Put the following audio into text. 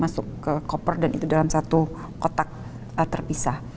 masuk ke koper dan itu dalam satu kotak terpisah